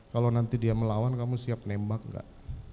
kalau nanti dia melawan kamu siap nembak enggak